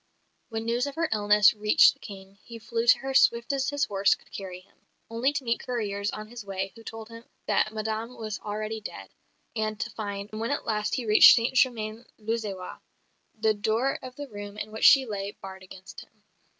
When news of her illness reached the King, he flew to her swift as his horse could carry him, only to meet couriers on his way who told him that Madame was already dead; and to find, when at last he reached St Germain l'Auxerrois, the door of the room in which she lay barred against him.